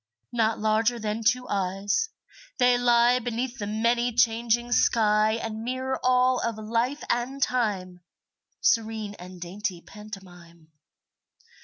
Not larger than two eyes, they lie Beneath the many changing sky And mirror all of life and time, Serene and dainty pantomime.